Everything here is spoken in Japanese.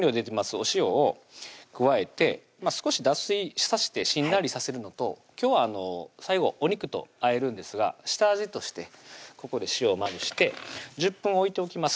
お塩を加えて少し脱水さしてしんなりさせるのと今日は最後お肉とあえるんですが下味としてここで塩をまぶして１０分置いておきます